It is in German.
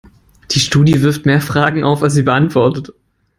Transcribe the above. Die Studie wirft mehr Fragen auf, als sie beantwortet.